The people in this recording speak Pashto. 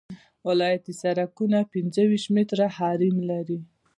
ولایتي سرکونه پنځه ویشت متره حریم لري